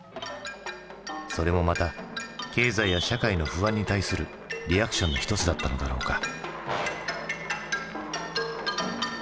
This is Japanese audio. それもまた経済や社会の不安に対するリアクションの一つだったのだろうか。